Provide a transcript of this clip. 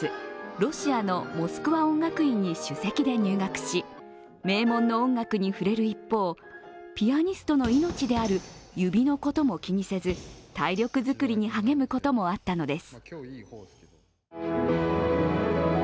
ロシアのモスクワ音楽院に首席で入学し名門の音楽に触れる一方、ピアニストの命である指のことも気にせず、体力作りに励むこともあったのです。